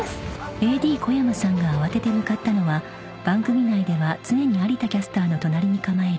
［ＡＤ小山さんが慌てて向かったのは番組内では常に有田キャスターの隣に構える］